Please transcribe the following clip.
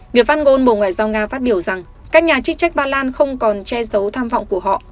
người phát ngôn bộ ngoại giao nga phát biểu rằng các nhà chức trách ba lan không còn che giấu tham vọng của họ